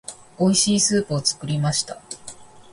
美味しいスープを作りました。